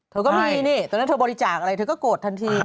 เธอก็มีนี่ตอนนั้นเธอบริจาคอะไรเธอก็โกรธทันที